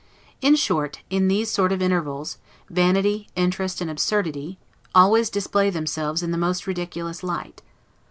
In short, in these sort of intervals, vanity, interest, and absurdity, always display themselves in the most ridiculous light.